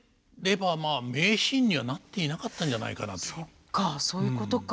そっかそういうことか。